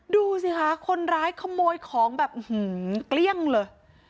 ดูสิค่ะคนร้ายขโมยของแบบอื้อหือหือเกลี้ยงเหรอ